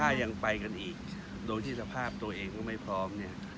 ถ้ายังไปกันอีกโดยที่สภาพตัวเองก็ไม่พร้อมเนี่ย